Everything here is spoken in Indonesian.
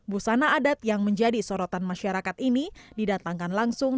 busana adat yang menjadi sorotan masyarakat ini didatangkan langsung